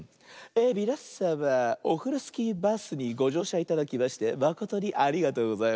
みなさまオフロスキーバスにごじょうしゃいただきましてまことにありがとうございます。